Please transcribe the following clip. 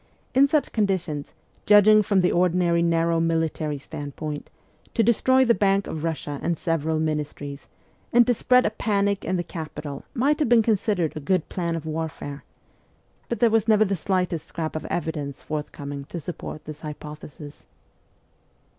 In such conditions, judging from the ordinary narrow military standpoint, to destroy the Bank of Russia and several Ministries, and to spread a panic in the capital might have been considered a good plan of warfare ; but there never was the slightest scrap of evidence forthcoming to support this hypothesis.